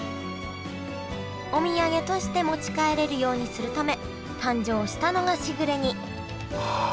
お土産として持ち帰れるようにするため誕生したのがしぐれ煮ああ。